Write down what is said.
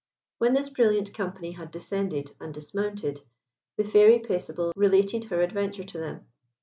When this brilliant company had descended and dismounted, the Fairy Paisible related her adventure to them.